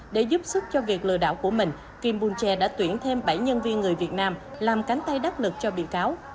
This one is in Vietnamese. để giúp sức cho việc lừa đạo của mình kim bunche đã tuyển thêm bảy nhân viên người việt nam làm cánh tay đắc lực cho bị cáo